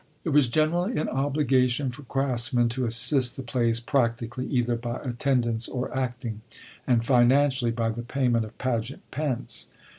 It was generally an obligation for craftsmen to assist the plays practically, either by attendance or acting, and financially, by the payment of pageant pence.